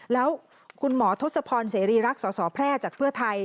แล้วคุณหมอทศพรเสรีรักษ์สสแพร่จากเพื่อไทย